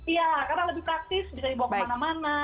iya karena lebih praktis bisa dibawa kemana mana